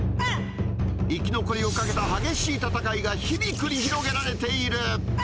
生き残りをかけた激しい戦いが日々繰り広げられている。